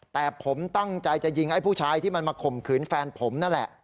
แต่ผมตั้งใจจะยิงไอ้ผู้ชายที่มันมาข่มขืนแฟนผมนั่นแหละ